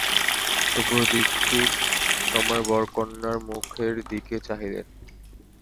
শুভদৃষ্টির সময় বর কন্যার মুখের দিকে চাহিলেন।